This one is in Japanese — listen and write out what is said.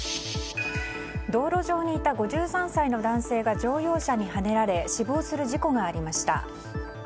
道路上にいた５３歳の男性が乗用車にはねられ死亡する事故がありました。